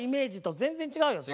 全然違うよそれ。